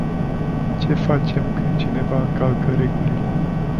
Ce facem când cineva încalcă regulile?